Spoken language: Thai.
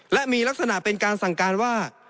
และมีลักษณะเป็นการสั่งการว่า